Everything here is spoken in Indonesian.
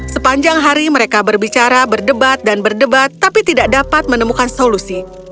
sepanjang hari mereka berbicara berdebat dan berdebat tapi tidak dapat menemukan solusi